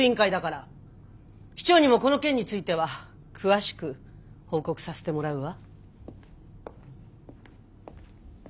市長にもこの件については詳しく報告させてもらうわ。